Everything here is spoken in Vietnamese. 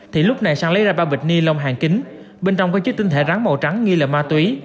thì lúc này sang lấy ra bao bịch ni lông hàng kính bên trong có chứa tinh thể rắn màu trắng nghi là ma túy